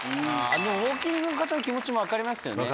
あのウオーキングの方の気持ちも分かりますよね。